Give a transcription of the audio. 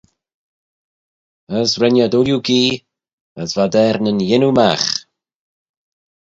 As ren ad ooilley gee, as v'ad er nyn yannoo magh.